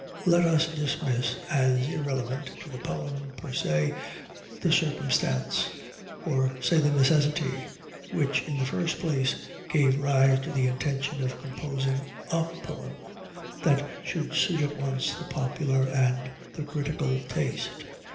Let us dismiss, as irrelevant to the poem, per se, the circumstance or say the necessity which, in the first place, gave rise to the intention of composing a poem that should suit at once the popular and the critical taste.